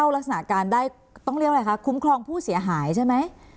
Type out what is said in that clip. ลักษณะการได้ต้องเรียกอะไรคะคุ้มครองผู้เสียหายใช่ไหม